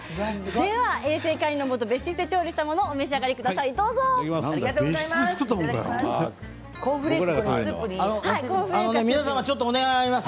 では衛生管理のもと別室で調理したものを召し上がっていただきます。